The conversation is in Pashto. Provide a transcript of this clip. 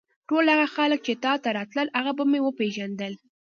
ټول هغه خلک چې تا ته راتلل هغه به مې وپېژندل.